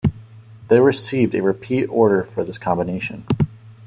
They received a repeat order for this combination.